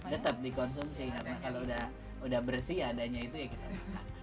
tetap dikonsumsi karena kalau udah bersih adanya itu ya kita makan